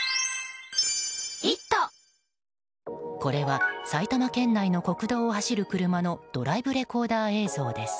これは埼玉県内の国道を走る車のドライブレコーダー映像です。